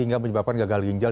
hingga menyebabkan gagal ginjal